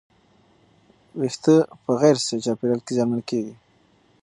ویښتې په غیر صحي چاپېریال کې زیانمن کېږي.